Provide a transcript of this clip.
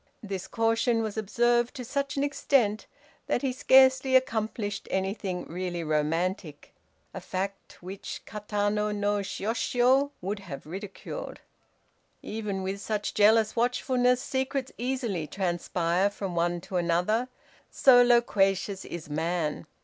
This caution was observed to such an extent that he scarcely accomplished anything really romantic, a fact which Katano no Shiôshiô would have ridiculed. Even with such jealous watchfulness, secrets easily transpire from one to another; so loquacious is man!